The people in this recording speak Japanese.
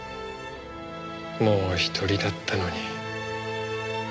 もう１人だったのに。